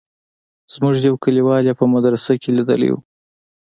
زموږ يو کليوال يې په مدرسه کښې ليدلى و.